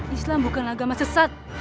islam bukanlah agama sesat